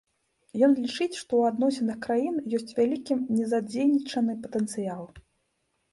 Ён лічыць, што ў адносінах краін ёсць вялікі незадзейнічаны патэнцыял.